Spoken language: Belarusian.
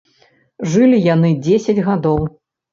Жылі яны дзесяць гадоў.